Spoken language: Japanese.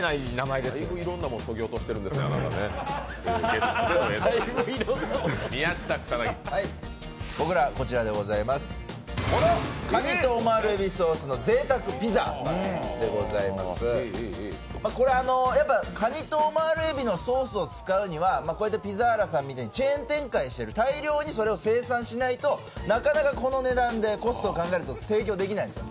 だいぶいろんなものそぎ落としてるんですね、あなたねこれ、やっぱカニとオマール海老のソースを使うにはこうやってピザーラさんみたいにチェーン展開している大量にそれを生産しないと、なかなかこの値段でコストを考えると提供できないんですよ。